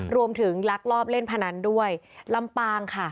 ลักลอบเล่นพนันด้วยลำปางค่ะ